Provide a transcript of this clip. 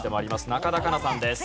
中田花奈さんです。